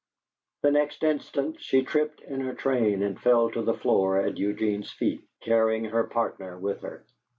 The next instant she tripped in her train and fell to the floor at Eugene's feet, carrying her partner with her.